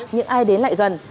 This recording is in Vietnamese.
những ai đến lại gần